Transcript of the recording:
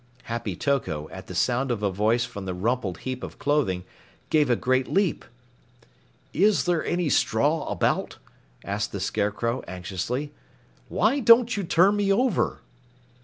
Happy Toko, at the sound of a voice from the rumpled heap of clothing, gave a great leap. "Is there any straw about?" asked the Scarecrow anxiously. "Why don't you turn me over?"